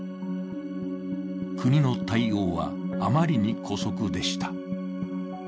国の対応はあまりに姑息でした。